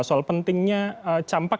soal pentingnya campak